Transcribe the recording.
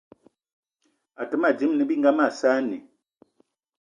Àtə́ mâ dímâ ne bí mag saanì